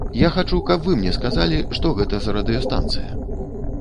Я хачу, каб вы мне сказалі, што гэта за радыёстанцыя.